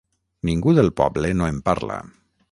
Ningú del poble no em parla.